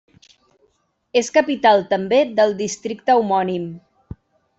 És capital també del districte homònim.